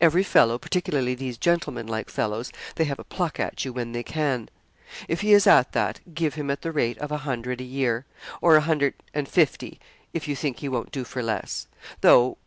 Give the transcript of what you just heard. Every fellow, particularly these gentlemanlike fellows, they have a pluck at you when they can. If he is at that, give him at the rate of a hundred a year, or a hundred and fifty if you think he won't do for less; though 100_l_.